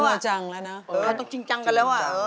ต้องจริงจังกันแล้ว